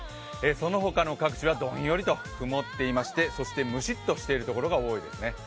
そのほかの各地はどんよりと曇っていましてそしてムシッとしているところが多いですね。